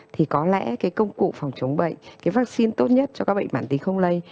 thì có lẽ công cụ phòng chống bệnh vaccine tốt nhất cho các bệnh mạng tính không lây